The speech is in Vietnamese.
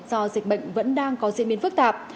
do dịch bệnh vẫn đang có diễn biến phức tạp